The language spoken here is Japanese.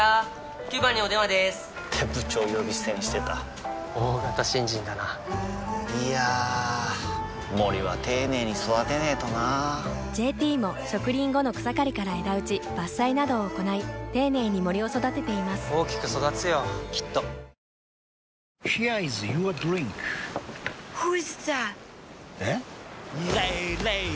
９番にお電話でーす！って部長呼び捨てにしてた大型新人だないやー森は丁寧に育てないとな「ＪＴ」も植林後の草刈りから枝打ち伐採などを行い丁寧に森を育てています大きく育つよきっと悪の元凶あああっやばい！